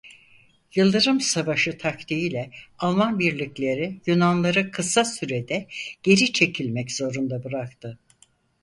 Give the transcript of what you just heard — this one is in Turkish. Yıldırım savaşı taktiğiyle Alman birlikleri Yunanları kısa sürede geri çekilmek zorunda bıraktı.